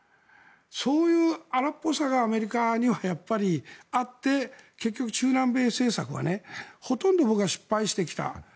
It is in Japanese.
そういう荒っぽさがアメリカにはあって中南米政策はほとんど僕は失敗してきた。